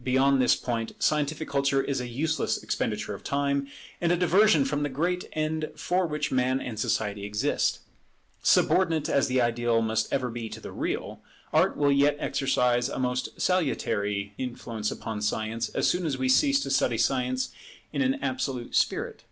Beyond this point, scientific culture is a useless expenditure of time, and a diversion from the great end for which Man and Society exist. Subordinate as the ideal must ever be to the real, Art will yet exercise a most salutary influence upon Science, as soon as we cease to study Science in an absolute spirit.